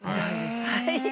はい。